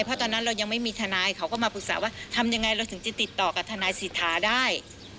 เพราะตอนนั้นเรายังไม่มีทนายเขาก็มาปรึกษาว่าทำยังไงเราถึงจะติดต่อกับทนายสิทธาได้